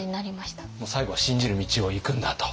もう最後は信じる道を行くんだと。